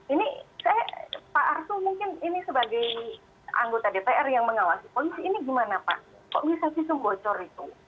ini saya pak arsul mungkin ini sebagai anggota dpr yang mengawasi polisi ini gimana pak kok bisa visum bocor itu